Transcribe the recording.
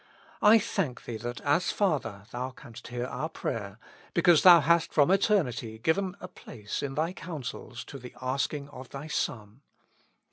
I thank Thee that as Father Thou canst hear our prayer, because Thou hast from eternity given a place in Thy counsels to the ask ing of Thy Son.